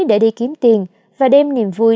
để đi kiếm tiền và đem niềm vui